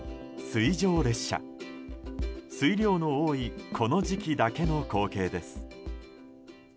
水量の多いこの時期だけの光景です。